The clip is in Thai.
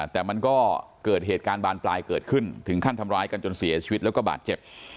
แต่มันก็เกิดเหตุการณ์บานปลายเกิดขึ้นถึงขั้นทำร้ายกันจนเสียชีวิตแล้วก็บาดเจ็บ